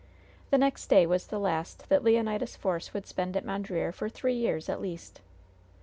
The next day was the last that Leonidas Force would spend at Mondreer for three years, at least.